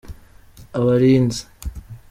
abarinzi.